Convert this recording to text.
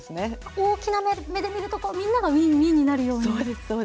大きな目で見るとみんなが、ウィンウィンになるように。